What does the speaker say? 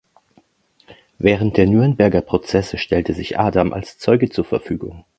Während der Nürnberger Prozesse stellte sich Adam als Zeuge zur Verfügung.